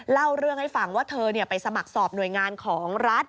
เล่าเรื่องให้ฟังว่าเธอไปสมัครสอบหน่วยงานของรัฐ